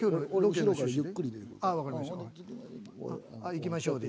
「行きましょう」で。